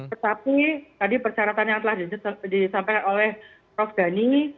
tetapi tadi persyaratan yang telah disampaikan oleh prof gani